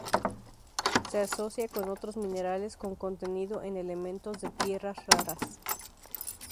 Se asocia con otros minerales con contenido en elementos de tierras raras.